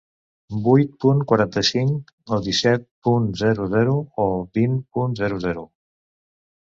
Vuit punt quaranta-cinc o disset punt zero zero o vint punt zero zero.